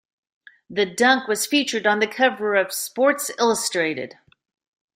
The dunk was featured on the cover of "Sports Illustrated".